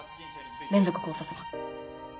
連続絞殺魔。